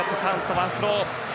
ワンスロー。